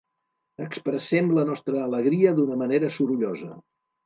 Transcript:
Expressem la nostra alegria d'una manera sorollosa.